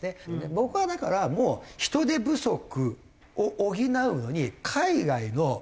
僕はだからもう人手不足を補うのに海外の人。